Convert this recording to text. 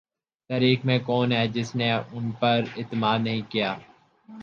تاریخ میں کون ہے جس نے ان پر اعتماد نہیں کیا ہے۔